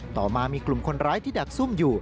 ต่อมามีกลุ่มคนร้ายที่ดักซุ่มอยู่